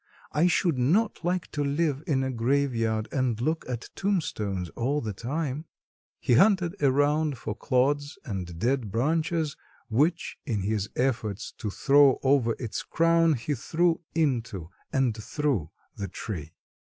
I should not like to live in a graveyard and look at tombstones all the time." He hunted around for clods and dead branches which, in his efforts to throw over its crown, he threw into and through the tree.